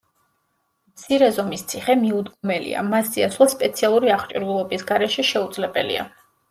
მცირე ზომის ციხე მიუდგომელია, მასზე ასვლა სპეციალური აღჭურვილობის გარეშე შეუძლებელია.